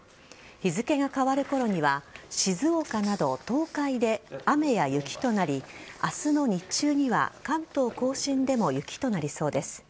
日付が変わるころには静岡など東海で雨や雪となり明日の日中には関東甲信でも雪となりそうです。